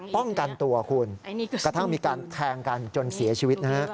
ป้องกันตัวคุณกระทั่งมีการแทงกันจนเสียชีวิตนะฮะ